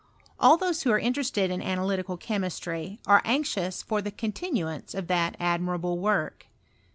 All those who are interested in analytical chemistry are anxious for the continuance of that admirable work.